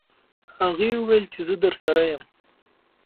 هغې وویل چې زه درسره یم.